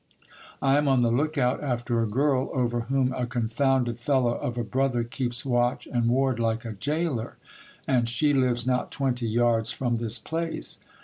I am on the look out after a girl, over whom a confounded fellow of a brother keeps watch and ward like a gaoler ; and she lives not twenty yards from this place.